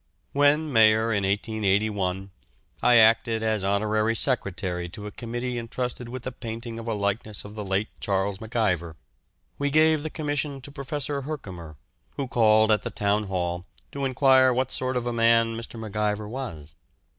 When Mayor in 1881, I acted as honorary secretary to a committee entrusted with the painting of a likeness of the late Charles MacIver. We gave the commission to Professor Herkomer, who called at the Town Hall to enquire what sort of a man Mr. MacIver was.